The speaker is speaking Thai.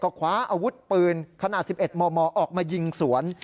คว้าอาวุธปืนขนาด๑๑มมออกมายิงสวน